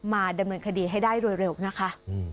มาดำเนินคดีให้ได้โดยเร็วนะคะ